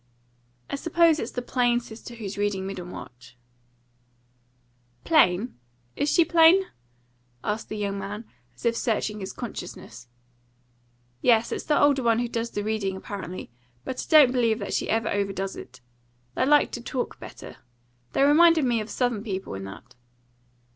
"I suppose it's the plain sister who's reading Middlemarch." "Plain? Is she plain?" asked the young man, as if searching his consciousness. "Yes, it's the older one who does the reading, apparently. But I don't believe that even she overdoes it. They like to talk better. They reminded me of Southern people in that."